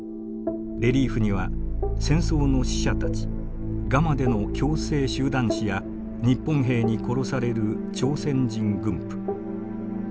レリーフには戦争の死者たちガマでの強制集団死や日本兵に殺される朝鮮人軍夫。